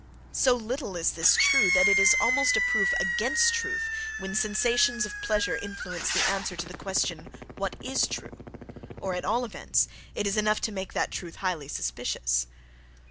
So little is this true that it is almost a proof against truth when sensations of pleasure influence the answer to the question "What is true?" or, at all events, it is enough to make that "truth" highly suspicious.